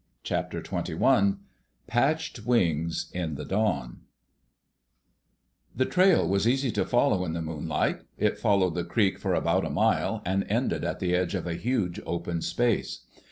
CHAPTER TWENTY ONE PATCHED WINGS IN THE DAWN The trail was easy to follow in the moonlight. It followed the creek for about a mile, and ended at the edge of a huge open space.